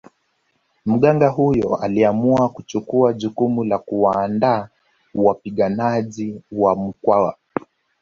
Mganga huyo aliamua kuchukua jukumu la kuwaandaa wapiganaji wa Mkwawa